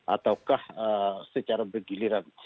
ataukah secara bergiliran